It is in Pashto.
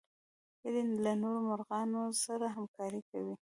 هیلۍ له نورو مرغانو سره همکاري کوي